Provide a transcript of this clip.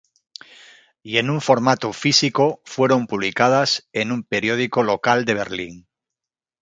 Y en formato físico, fueron publicadas en un periódico local de Berlín.